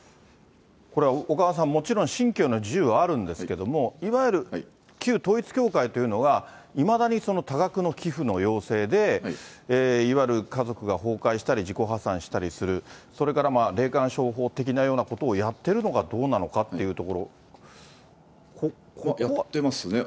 これ、小川さん、もちろん信教の自由はあるんですけれども、いわゆる旧統一教会というのは、いまだにその多額の寄付の要請で、いわゆる家族が崩壊したり、自己破産したりする、それから霊感商法的なようなことをやってるのかどうなのかっていやってますね。